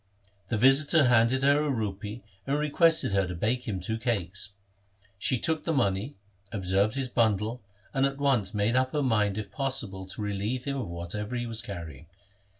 The visitor handed her a rupee and requested her to bake him two cakes. She took the money, observed his bundle, and at once made up her mind if possible to relieve him of whatever he was carrying.